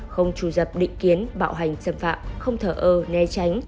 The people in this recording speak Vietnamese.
không trù dập định kiến bạo hành xâm phạm không thở ơ né tránh